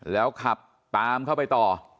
แล้วขับตามเข้าไปต่อ